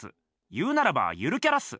言うならばゆるキャラっす。